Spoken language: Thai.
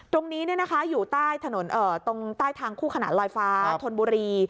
ตรงนี้อยู่ใต้ถนนตรงใต้ทางคู่ขนาดลอยฟ้าธนบุรี